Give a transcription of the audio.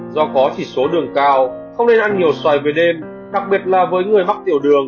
do có chỉ số đường cao không nên ăn nhiều bài về đêm đặc biệt là với người mắc tiểu đường